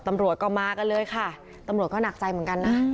ตำรวจก็มากันเลยค่ะตำรวจก็หนักใจเหมือนกันนะ